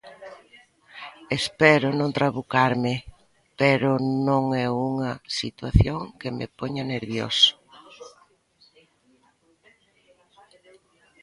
Espero non trabucarme, pero non é unha situación que me poña nervioso.